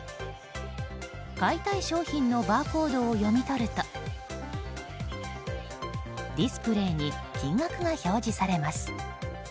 買いたい商品のバーコードを読み取るとディスプレーに金額が表示されます。